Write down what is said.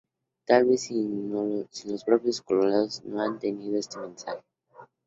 Tal vez ni los propios colorados han entendido este mensaje.